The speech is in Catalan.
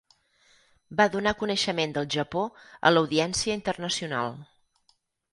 Va donar coneixement del Japó a l'audiència internacional.